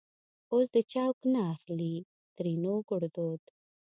اوس دې چوک نه اخليں؛ ترينو ګړدود